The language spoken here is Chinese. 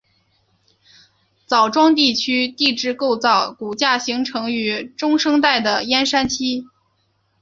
枣庄地区地质构造骨架形成于中生代的燕山期。